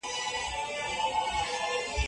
هغې وویل، کورنۍ او دوستان د ژوند مهمه برخه دي.